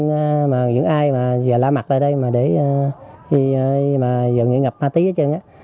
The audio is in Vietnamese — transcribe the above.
những ai mà giờ lá mặt ra đây mà để mà giờ nghĩ ngập ma túy hết trơn á